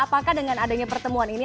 apakah dengan adanya pertemuan ini